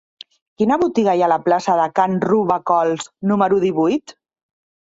Quina botiga hi ha a la plaça de Can Robacols número divuit?